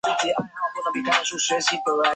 隋唐初武将。